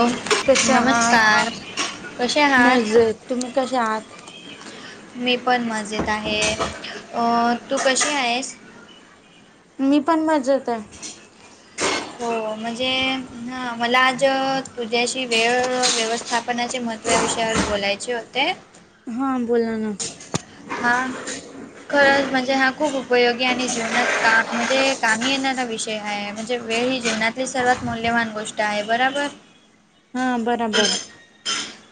Hello कसे आहात नमस्कार कसे आहात. मजेत तुम्ही कसे आहात मी पण मजेत आहे अं तू कशी आहेस. मी पण मजेत आहे. हो म्हणजे ह मला आज तु ज्याशी वेळ व्यवस्थापनाचे महत्व विषयावर बोलायचे होते. हां बोला ना. हा. खरंच म्हणजे हा खूप उपयोगी आणि जीवनात का म्हणजे काम येणार. विषय आहे म्हणजे वेळ ही जीवनातली सर्वात मूल्यवान गोष्ट आहे बरोबर. हां बराबर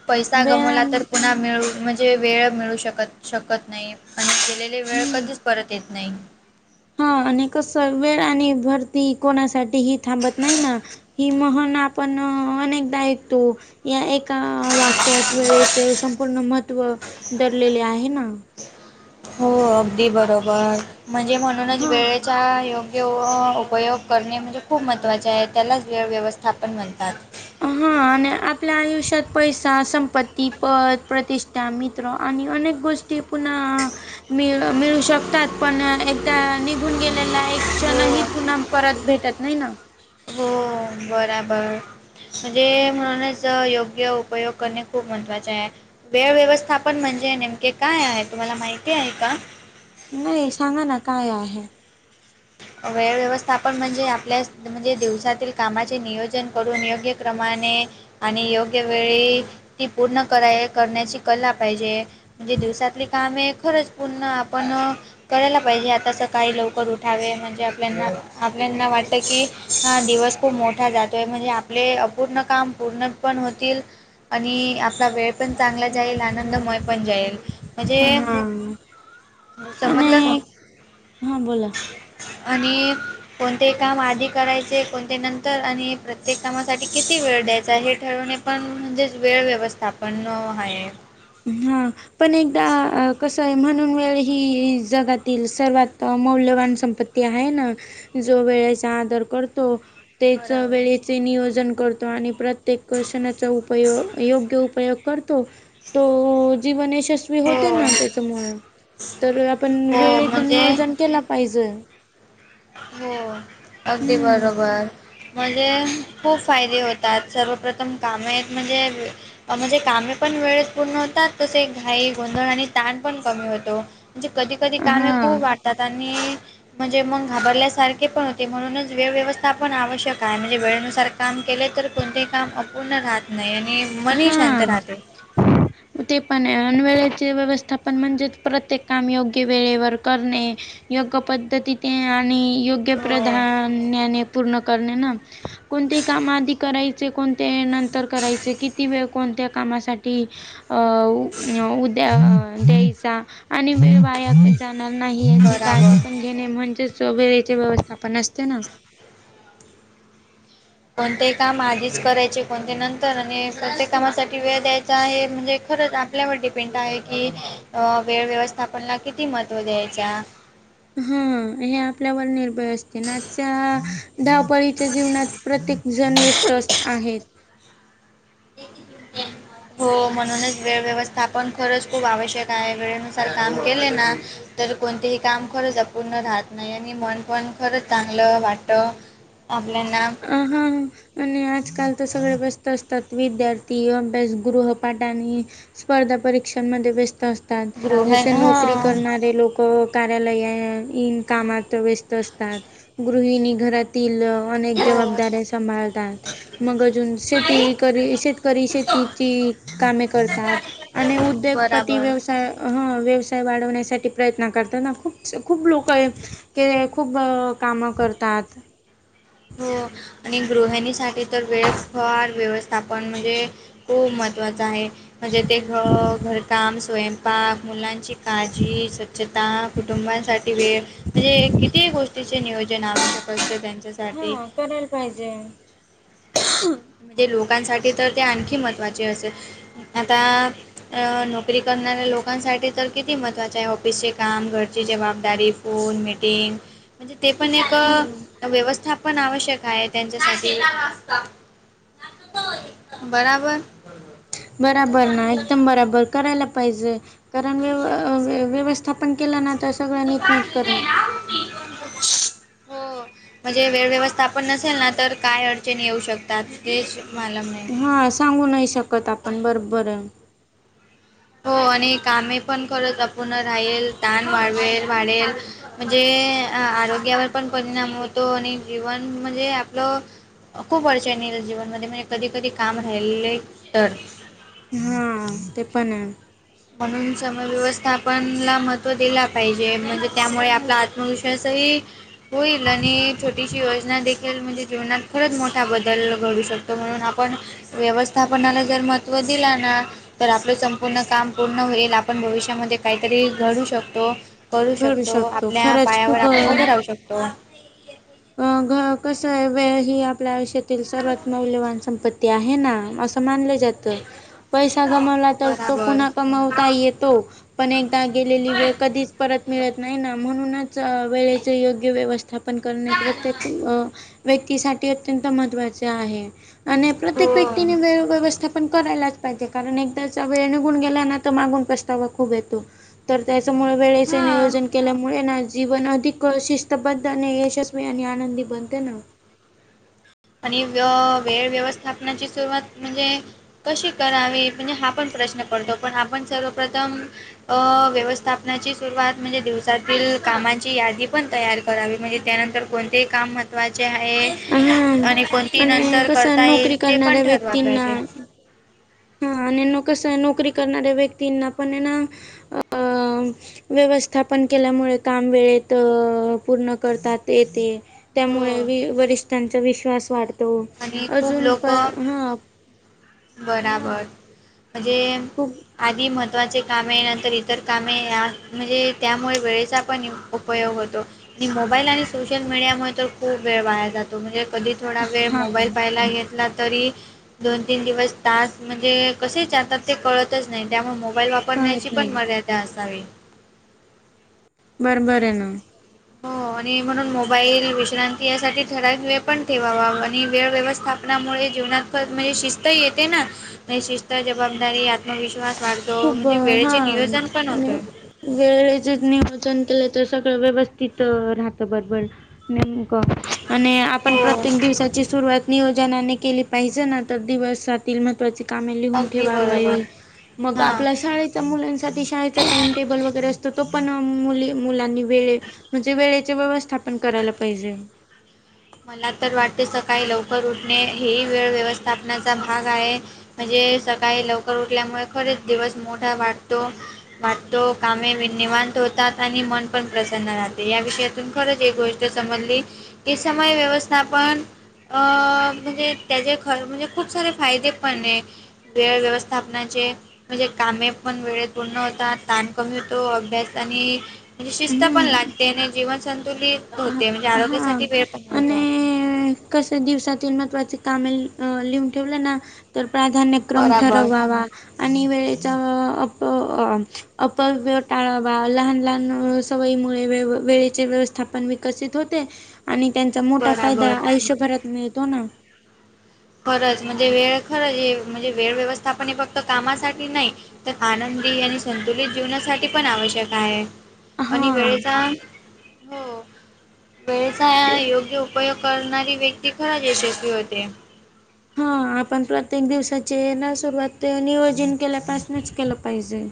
पैसा वेळ गमवला तर आणि पुन्हा मिळ म्हणजे जे वेळ मिळू शकत शकत नाही आणि केलेली वेळ हम्म. कधीच परत येत नाही. हा आणि कस वेळ आणि भरती कोणासाठीही थांबत नाही ना. हि महन आपण अनेकदा ऐकतो. या एका वाक्यात वेळेचे संपूर्ण महत्व धरलेले आहे ना. हो अगदी बरोबर म्हणजे म्हणूनच हा वेळेच्या योग कि उपयोग करणे म्हणजे खूप महत्त्वाचे आहे त्यालाच वेळ व्यवस्थापन म्हणतात. हा आणि आपल्या आयुष्यात पैसा संपत्ती पद प्रतिष्ठ त्या मित्र आणि अनेक गोष्टी पुन्हा ळ मिळू शकतात पण एकदा निघून गे आपल्याला एक हो क्षणही पुन्हा परत भेटत नाही ना हो बराबर म्हणजे म्हणूनच योग्य उपयोग करणे खूप महत्त्वाचे आहे वेळ व्यवस्थापन म्हणजे नेमके काय आहे तुम्हाला माहिती आहे का नाही सांगा ना काय आहे वे व्यवस्थापन म्हणजे आपल्या म्हणजे दिवसातील कामाचे नियोजन करून योग्य प्र्रमाणे आणि योग्य वेळी ती पूर्ण कराय करण्याची कला पाहिजे म्हणजे दिवसातली काम आहे खरंच पूर्ण आपण करायला पाहिजे आता सकाळी लवकर उ ठावे म्हणजे आपल्याना आपल्याना वाटतं की हा दिवस खूप मोठा जातो आहे म्हणजे आप आपले अपूर्ण काम पूर्ण पण होतील आणि आपला वेळ पण चांगला जाईल आनंदमय पण जाईल म्हणजे हा समजलं आणि हा बोला आणि कोणते काम आधी करायचे कोणते नंतर आणि प्रत्येक कामासाठी किती वेळ द्यायचा हे ठरवणे पण म्हणजेच वेळ व्यवस्थापन आहे हा पण एकदा कसं आहे म्हणून वेळ ही जगातील सर्वात मौल्यवान संपत्ती ते आहे ना जो वेळेचा आदर करतो तेच बरोबर वेळेचे नियोजन करतो आणि प्रत्येक कर्षणाचा उपयोग योग्य उपयोग करतो तो जीवन यशस्वी होते हो ना त्याच्यामुळे तर आपण हो वेळेच म्हणजे नियोजन केलं पाहिजे हो अगदी हम्म बरोबर म्हणजे खूप फायदे होतात सर्वप्रथम काम आहेत म्हणजे म्हणजे कामे पण वेळेत पूर्ण होतात तसे घाई गोंधळ आणि ताण पण कमी होतो म्हणजे कधी कधी कामे हा खूप वाटतात आणि म्हणजे मग घाबरल्यासारखे पण होते म्हणूनच वेळव्यवस्थापण आवश्यक आहे म्हणजे वेळेनुसार काम केले तर कोणतेही काम अप पूर्ण राहत नाही आणि मनही शांत राहते ह ते पण अनवेळेचे व्यवस्थापन म्हणजे प्रत्येक काम योग्य वेळेवर करणे योग्य पद्धती ते आणि योग्य हो प्रधान्याने पूर्ण करणे ना कोणते कामा आधी करायचे कोणते नंतर करायचे किती वेळ कोणत्या कामासाठी अ उद्या द्यायचा आणि वाया जाणार नाही याची बराबर. काळजी पण घेणे म्हणजे सोबेची व्यवस्थापण असते ना कोणतेही काम आधीच करायचे कोणते नंतर आणि प्रत्येक कामासाठी वेळ द्यायचा आहे म्हणजे खरंच आपल्यावर डिपेंड आहे की वेळ व्यवस्थापनला किती महत्त्व द्यायचा हा हे आपल्यावर निर् वे असते नाच्या धावपळीच्या जीवनात प्रत्येक जण व्यस्त अस आहेत [inaudible] हो म्हणूनच वेळ व्यवस्थापन खरंच खूप आवश्यक आहे वेळेनुसार काम केले ना तर कोणतेही काम खरंच अपूर्ण राहत नाही आणि मन पण खरंच चांगलं वाट आपल्या ना हम हम आणि आजकाल तर सगळे व्यस्त असतात विद्यार्थी अभ्यास गृहपाठाने स्पर्धा परीक्षांमध्ये व्यस्त अस तात गृह जसे नोकरी हां करणारे लोक कार्यालय इन कामाात व्यस्त असतात गृहिणी घरातील अनेक हो जबाबदऱ्या सांभाळतात मग अजून शेती कर शेतकरी शेतीची कामे करतात आणि उद्योगपती बराबर व्यवसा हा व्यवसाय वाढवण्यासाठी प्रयत्न करताना खूप खूप लोक ते खूप कामं करतात हो आणि गृहिणीसाठी तर वेळस फार व्यवस्थापन म्हणजे खूप महत्वाच आहे म्हणजे ते घ घरकाम स्वयंपाक मुलांची काळजी स्वच्छता कुटुंबांसाठी वेळ म्हणजे किती गोष्टीचे नियोजन आवश्यकते त्यांच्यासाठी हा करायला पाहिजे म्हणजे लोकांसाठी तर ते आणखी महत्त्वाचे असेल आता अ नोकरी करणाऱ्या लोकांसाठी तर किती महत्वाचे आहे ऑफिसचे काम, घरची जबाबदारी, फोन मिटिंग म्हणजे ते पण एक व्यवस्थापन आवश्यक आहे त्यांच्यासाठी बराबर बराबर ना एकदम बराबर करायला पाहिजे कारण व्यव अ व्यवस स्थापन केलं ना तर सगळं नीट नेटक राहील हो हो म्हणजे वेळ व्यवस्थापन नसेल ना तर काय अडचणी येऊ शकतात तेच मला म्हणा हा सांगू नाही शकत आपण बरोबर आहे हो आणि कामे पण करत आपण राहील ताण वाढवेल वाढेल म्हणजे आरोग्यावर पण परिणाम होतो आणि जीवन म्हणजे आपलं खूप अडचनी येतात जीवनमध्ये म्हणजे कधी कधी काम राहिलेले तर हा ते पण आहे म्हणून सम व्यवस्थापनला महत्त्व दिला पाहिजे म्हणजे त्यामुळे आपला भविष्यासही होईल आणि छोटीशी योजना देखील खील म्हणजे जीवनात खरंच मोठा बदल घडू शकतो म्हणून आपण व्यवस्थापनाला जर महत्त्व दिलं ना तर आपल संपूर्ण काम पूर्ण होईल आपण भविष्यामध्ये काहीतरी घडू शकतो करू घडू शकतो आपल्या खरंच पायावर खूप आपण उभे राहू शकतो अ घ कस आहे वेळ ही आपल्या आयुष्यातील सर्वात मौल्यवान संपत्ती ते आहे ना असं मानलं जातं पैसा गमवला तर तो बराबर पुन्हा कमवता येत तो पण एकदा गेलेली वेळ कधीच परत मिळत नाही ना म्हणूनचं चं वेळेचे योग्य व्यवस्थापन करणे प्रत्येक अ व्यक्तीसाठी अत्यंत महत्त्वाचे आहे आणि हो प्रत्येक व्यक्तीने वेळ व्यवस्थापण करायलाच पाहिजे कारण एकदाचा वेळ निघून गेला ना तर मागून पश्तावा खूप येतो तर त्याच्यामुळे वेळेचे हां नियोजन केल्यामुळे ना जीवन अधिक शिस्तबद्ध आणि यशस्वी [unintelligible] आणि आनंदी बनते ना आणि व्य वेळ व्यवस्थापनाची सुरुवात म्हणजे कशी करावी म्हणजे हा पण प्रश्न पडतो पण आपण सर्वप्रथम अ व्यवस्थापनाची सुरुवात म्हणजे दिवसातील कामांची यादी पण तयार करावी म्हणजे त्यानंतर कोणतेही काम महत्त्वाचे आहे हां आणि कोणती आणि नंतर कसं करता येईल नोकरी ते पण करणाऱ्या ठरवा पाहिजे व्यक्तींना हा आणि म कस आहे नोकरी करणाऱ्या व्यक्तींना पण आहे ना अ अ व्यवस्थापन केल्यामुळे काम वेळेत पूर्ण करतात येते. हो त्यामुळे वी वरिष्ठांचा विश्वास वाढतो आणि खूप अजून लोक पण हा हा बराबर म्हणजे [unintelligible] आधी महत्त्वाचे कामे नंतर इतर कामे म्हणजे त्यामुळे वेळेचा पण उपयोग होतो आणि मोबाईल आणि सोशल मीडियामुळे तर खूप वेळ वाया जातो म्हणजे कधी थोडा वेळ हा मोबाईल पाहिला घेतला तरी दोन तीन दिवस तास म्हणजे कसे जातात ते कळतच नाही त्यामुळे मो बाईल वापरण्याची कळत पण नाही मर्यादा असावी बरोबर आहे ना हो आणि म्हणून मोबाईल विश्रांती यासाठी ठराविक वेळ पण ठेवावा आणि वेळ व्यवस्था पणामुळे जीवनातपण म्हणजे शिस्त येते ना म्हणजे शिस्त जबाबदारी आत्मविश्वास वाढते खूप हा म्ह वेळेचेच नियोजन केलं तर सगळं व्यवस्थित राहतं बरोबर नेमक आणि आपण हो प्रत्येक दिवसाची सुरुवात नियोजनाने केली पाहिजे ना तर दिवसातील महत्त्वाची का लिहून अगदी ठेवा बरोबर मग आप हां शाळेचा मुलांसाठी शाळेचा टाइम टेबल वगैरे असतो तो पण मुली मुलांनी वेळे म्हणजे वेळेचे व्यवस्थापन करायला पाहिजे मला तर वाटते सकाळी लवकर उठणे हे वेळ व्यवस्थापनाचा भाग आहे म्हणजे सकाळी लवकर उठल्यामुळे खरच दिवस मोठा वाटतो वाटतो कामे वि्यवत होतात आणि मन पण प्रसन्न राहे या विषयातून खरंच एक गोष्ट संबली समय व्यवस्थापन अ म्हणजे त्याचे खर म्हणजे खूप सारे फायदे पण आहे वेळ व्यवस्थापनाचे म्हणजे कामे पण वेळेत पूर्ण होता ताण कमी होतो अभ्यास आणि म्हणजे शिस्त पण हम्म लागते आणि जीवन संतुलित हा होते म्हणजे आरोग्यासाठी वेळ पण नव्हतो कस दिवसातील महवाचे कामे लिहून ठेवले ना तर प्राधान्य क्रम बरोबर. ठरवावा आणि वेळेचा अ अपव्य टाळावा लहान लहान सवयीमुळे व वेळेचे व्यवस्थापन विकसित होते आणि त्यांचा मोठा फायदा बराबर. आयुष्यभरात मिळतो ना खरंच म्हणजे वेळ खरंच हे म्हणजे वेळ व्यवस्थापन हे फक्त कामासाठी नाही तर आनंदी आणि संतुलित जीवनासाठी पण आवश्यक आहे आणि हा वेळेचा हो ते वेळेचा योग्य उपयोग करणारी व्यक्ती खरा यशस्वी होते हा आपण प्रत्येक दिवसाचे ना सुरुवात नियोजन केल्यापासूनच केलं पाहिजे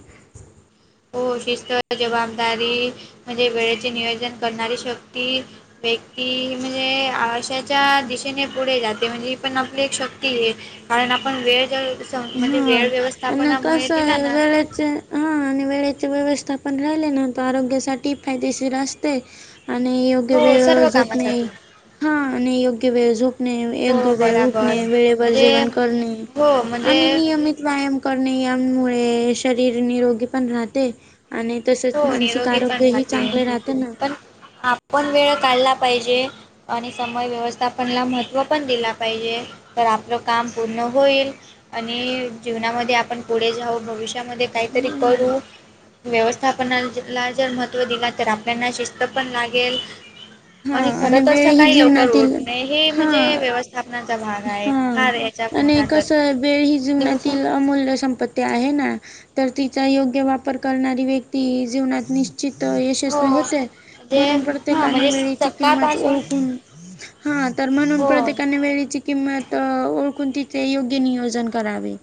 हो शिस्त जबाबदारी म्हणजे वेळेचे नियोजन करणारी शक्ती व्यक्ती म्हणजे आशाच्या दिशेने पुढे जाते म्हणजे पण आपली एक शक्ती आहे कारण आपण वेळ ज हा आणि कसं आहे ना व हा आणि वेळेची व्यवस्था पण राहिली ना तर आरोग्यासाठी फायदेशीर असते आणि योग्य हो वेळ सर्व झोपणे कामासाठी. हा आणि योग्य वेळ झोप एक हो वेळ बराबर उठणे वेळेवर म्हणजे जेवण करणे हो आणि म्हणजे नियमित व्यायाम करणे यामुळे शरीर निरोगी पण राहते आणि तसेच हो मानसिक निरोगी पण आरोग्यही चांगले राहते ना पण वेळ काढला पाहिजे आणि समय व्यवस्थापनला महत्त्व पण दिला पाहिजे तर आपलं काम पूर्ण होईल आणि जीवनामध्ये आपण पुढे जाऊ भविष्य त्यामध्ये काहीतरी हम्म. करू व्यवस्थ स्थापना ला जर महत्त्व दिला तर आपल्याना शिस्त पण लागेल हा खर आणि तर वेळ ह जीवनातील हा व्यस्थापनाचाग हा आणि कस आहे बेळ ही दिवसा जीवनातील अमूल्य संपत्ती आहे ना तर तिचा योग्य वापर करणारी व्यक्ती जीवनात च हो यशस्वी होते म्हणजे म्हणून हा प्रत्येकाने म्हणजे वेळीची किंमत सकाळपासून ओळखून हा तर म्हणून हो प्रत्येकाने वेळीची किंमत ओळखून तिथे योग्य नियोजन करावे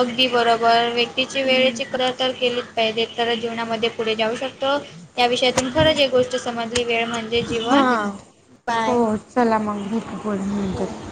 अगदी बरोबर व्यक्तीची हम्म. वेळेचीित्र तर केली पाहिले तर जीवनामध्ये पुढे जाऊ शकतो या विषयातून खरंच एक गोष्ट समजली वेळ म्हणजे जीवन बाय सलाम भट ब हो. म्हणंतात